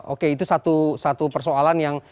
oke itu satu persoalan yang